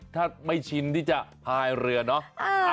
ถ้าไม่ชินที่จะพายเรือเนาะ